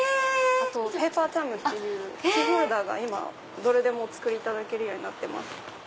あとペーパーチャームっていうキーホルダーがどれでもお作りいただけるようになってます。